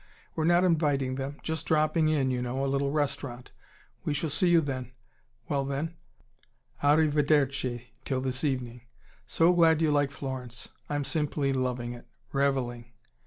We're not inviting them. Just dropping in, you know a little restaurant. We shall see you then! Well then, a rivederci till this evening. So glad you like Florence! I'm simply loving it revelling.